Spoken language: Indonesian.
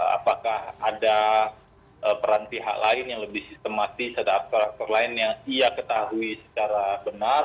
apakah ada peran pihak lain yang lebih sistematis ada aktor aktor lain yang ia ketahui secara benar